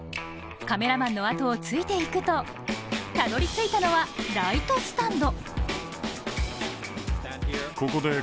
カメラマンのあとをついて行くとたどりついたのはライトスタンド。